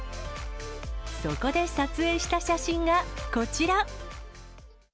そこで撮影した写真がこちら。